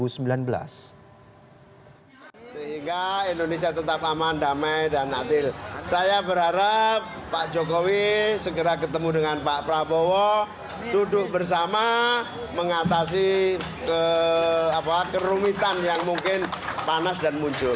saya tetap aman damai dan adil saya berharap pak jokowi segera ketemu dengan pak prabowo duduk bersama mengatasi kerumitan yang mungkin panas dan muncul